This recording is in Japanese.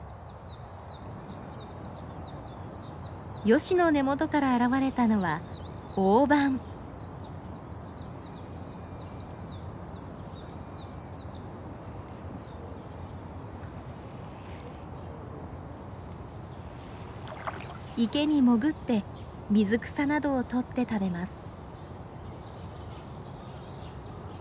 ヨシの根元から現れたのは池に潜って水草などをとって食べます。